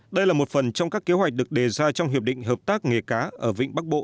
đây là một phần trong các kế hoạch được đề ra trong hiệp định hợp tác nghề cá ở vịnh bắc bộ